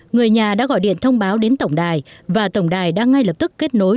người nhà đã gọi điện thông báo đến tổng đài và tổng đài đã ngay lập tức kết nối